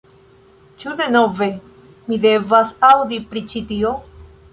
Ĉu denove, mi devas aŭdi pri ĉi tio